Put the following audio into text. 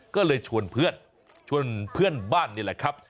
ก็เลยชวนเพื่อนชวนเพื่อนบ้านนี่แหละครับ